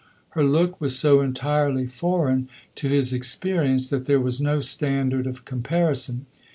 Her look was so entirely foreign to his experience that there was no standard of comparison.